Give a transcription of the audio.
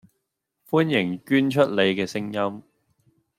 歡迎捐出您既聲音